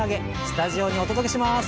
スタジオにお届けします！